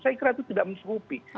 saya kira itu tidak mencukupi